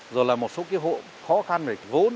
rồi là một số hộ khó khăn về vốn